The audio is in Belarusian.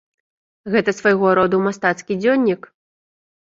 Гэта свайго роду мастацкі дзённік.